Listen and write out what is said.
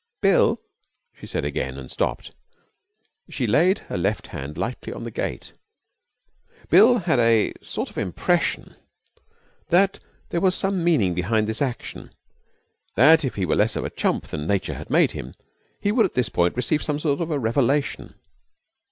'Bill!' she said again, and stopped. She laid her left hand lightly on the gate. Bill had a sort of impression that there was some meaning behind this action; that, if he were less of a chump than Nature had made him, he would at this point receive some sort of a revelation.